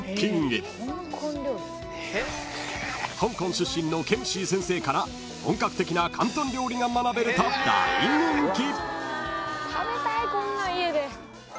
［香港出身のケムシー先生から本格的な広東料理が学べると大人気］